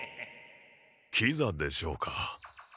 キザでしょうか。